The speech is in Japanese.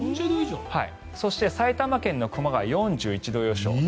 そして埼玉県の熊谷４１度予想。